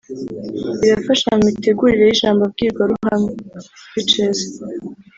Birafasha mu mitegurire y’ijambo mbwirwaruhame (speeches)